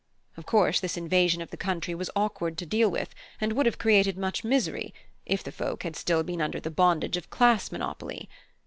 Of course, this invasion of the country was awkward to deal with, and would have created much misery, if the folk had still been under the bondage of class monopoly.